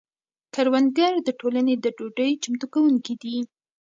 کروندګر د ټولنې د ډوډۍ چمتو کونکي دي.